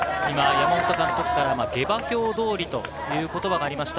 山本監督から下馬評通りという言葉がありました。